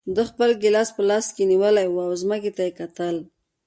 ده خپل ګیلاس په لاس کې نیولی و او ځمکې ته یې کتل.